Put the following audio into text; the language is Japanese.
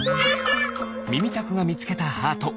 みみたくがみつけたハート。